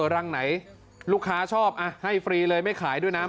รังไหนลูกค้าชอบให้ฟรีเลยไม่ขายด้วยนะ